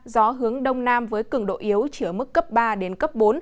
gió hướng đông nam với cường độ yếu chỉ ở mức cấp ba đến cấp bốn